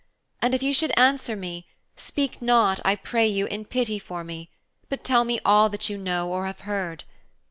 And if you should answer me, speak not, I pray you, in pity for me, but tell me all you know or have heard.